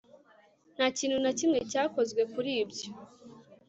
nta kintu na kimwe cyakozwe kuri ibyo